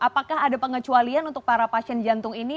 apakah ada pengecualian untuk para pasien jantung ini